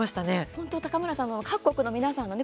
本当、高村さん各国の皆さんのね